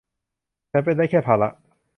ฉันเป็นได้แค่ภาระ